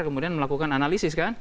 kemudian melakukan analisis kan